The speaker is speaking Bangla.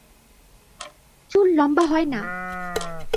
চুল লম্বা হয় না!